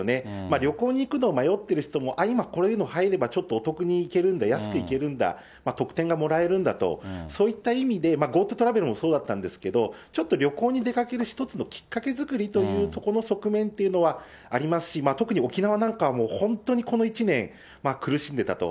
旅行に行くのを迷っている人も、あっ、今、こういうの入ればちょっとお得に行けるんだ、安く行けるんだ、特典がもらえるんだと、そういった意味で、ＧｏＴｏトラベルもそうだったんですけど、ちょっと旅行に出かける一つのきっかけ作りというところの側面というのはありますし、特に沖縄なんかはもう本当にこの１年、苦しんでたと。